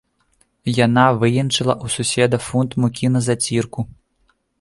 Яна выенчыла ў суседа фунт мукі на зацірку.